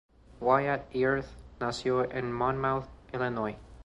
Wyatt Earp nació en Monmouth, Illinois.